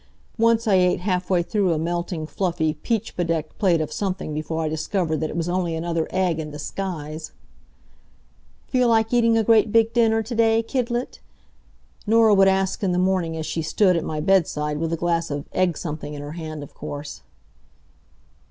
Once I ate halfway through a melting, fluffy, peach bedecked plate of something before I discovered that it was only another egg in disguise. "Feel like eating a great big dinner to day, Kidlet?" Norah would ask in the morning as she stood at my bedside (with a glass of egg something in her hand, of course).